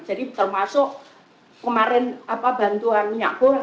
jadi termasuk kemarin apa bantuan minyak goreng